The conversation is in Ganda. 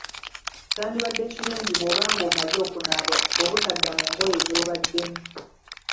Kyandibadde kirungi bwoba ng'omaze okunaaba obutadda mu ngoye z'obaddemu